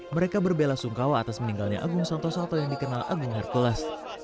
mereka berbela sungkawa atas meninggalnya agung santoso atau yang dikenal agung hercules